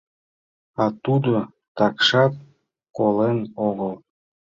— А Тудо такшат колен огыл!